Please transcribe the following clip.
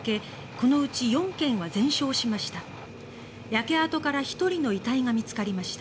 このうち４軒は全焼しました。